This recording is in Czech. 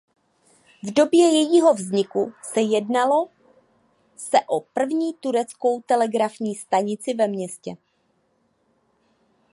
V době jejího vzniku se jednalo se o první tureckou telegrafní stanici ve městě.